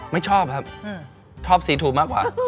ไม่ชอบครับชอบสีถูกมากกว่า